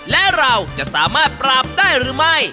และเราจะสามารถปราบได้หรือไม่